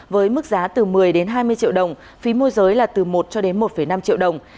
với mức giá từ một mươi đến hai mươi triệu đồng phí môi giới là từ một cho đến một năm triệu đồng